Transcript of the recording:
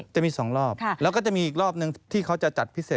จะส่งช่วงนี้เวลานี้ตี๔